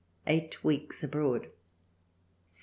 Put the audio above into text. Eight weeks abroad. 1776.